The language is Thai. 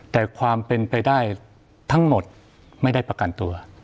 แต่ความเป็นไปได้ทั้งหมดไม่ได้ประกันตัว